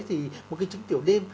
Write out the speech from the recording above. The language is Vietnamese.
thì một trứng tiểu đêm